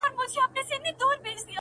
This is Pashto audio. ددې خاوري ارغوان او زغن زما دی،